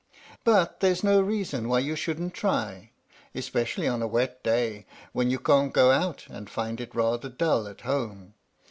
But there's no reason why you shouldn't try especially on a wet day, when you can't go out and find it rather dull at home.